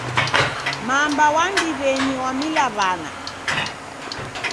Mamba w'a ndiw'enyi w'amila w'ana.